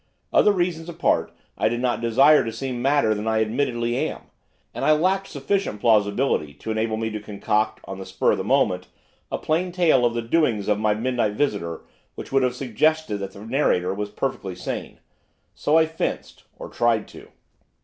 Other reasons apart I did not desire to seem madder than I admittedly am, and I lacked sufficient plausibility to enable me to concoct, on the spur of the moment, a plain tale of the doings of my midnight visitor which would have suggested that the narrator was perfectly sane. So I fenced, or tried to.